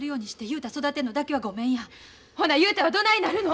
ほな雄太はどないなるの！？